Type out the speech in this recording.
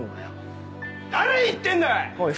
誰に言ってんだおい！